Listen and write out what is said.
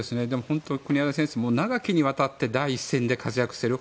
本当に国枝選手は長きにわたって第一線で活躍している。